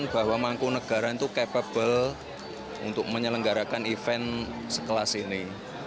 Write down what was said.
bahwa mangkunegara itu capable untuk menyelenggarakan event sekelas ini